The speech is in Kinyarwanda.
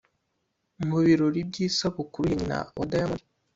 Mu birori by’isabukuru ya nyina wa Diamond